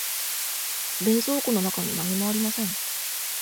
冷蔵庫の中に何もありません。